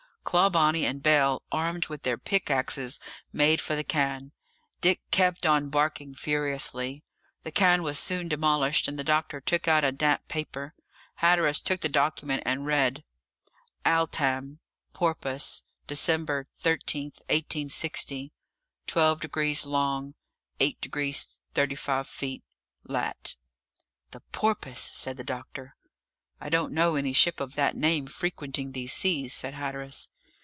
Clawbonny and Bell, armed with their pickaxes made for the cairn. Dick kept on barking furiously. The cairn was soon demolished, and the doctor took out a damp paper. Hatteras took the document and read: "Altam..., Porpoise, Dec... 13th, 1860, 12.. degrees long... 8.. degrees 35 minutes lat..." "The Porpoise!" said the doctor. "I don't know any ship of that name frequenting these seas," said Hatteras.